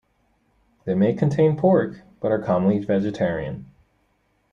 They may contain pork, but are commonly vegetarian.